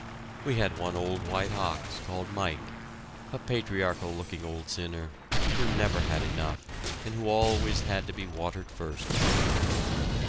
We had one old white ox, called Mike, a patriarchal looking old sinner, who never had enough, and who always had to be watered first.